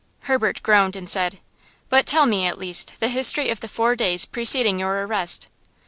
Herbert groaned, and said: "But tell me, at least, the history of the four days preceding your arrest."